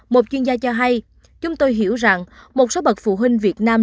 một chuyên gia cho hay chúng tôi hiểu rằng một số bậc phụ huynh việt nam